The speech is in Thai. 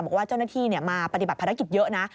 บอกว่าเจ้าหน้าที่มาปฏิบัติภารกิจเยอะนะ